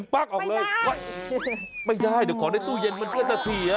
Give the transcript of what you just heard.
ไม่ได้เดี๋ยวขอได้ตู้เย็นมั่นเวลาสี่